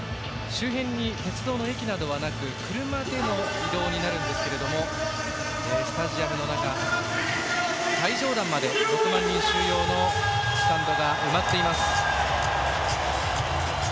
周辺に鉄道の駅などはなく車での移動になるんですけれどもスタジアムの中、最上段まで６万人収容のスタジアムが埋まっています。